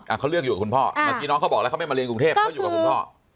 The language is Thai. เขาเลือกอยู่กับคุณพ่อเมื่อกี้น้องเขาบอกแล้วเขาไม่มาเรียนกรุงเทพเขาอยู่กับคุณพ่อ